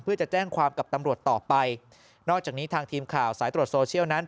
เพื่อจะแจ้งความกับตำรวจต่อไปนอกจากนี้ทางทีมข่าวสายตรวจโซเชียลนั้น